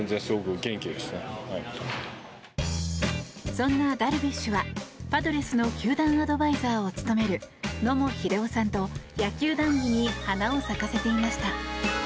そんなダルビッシュはパドレスの球団アドバイザーを務める野茂英雄さんと野球談議に花を咲かせていました。